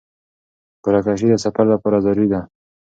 قرعه کشي د سفر لپاره ضروري ده.